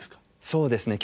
そうですね。